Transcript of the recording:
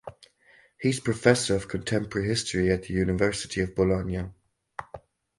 He is professor of contemporary history at the University of Bologna.